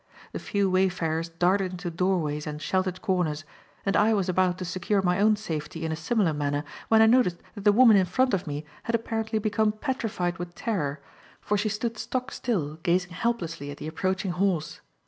The few wayfarers darted into doorways and sheltered corners, and I was about to secure my own safety in a similar manner, when I noticed that the woman in front of me had apparently become petrified with terror, for she stood stock still, gazing helplessly at the approaching horse.